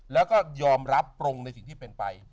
แล้วก็ยอมรับตรงในสิ่งที่เป็นไป